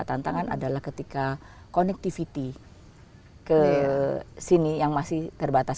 tantangan adalah ketika connectivity ke sini yang masih terbatas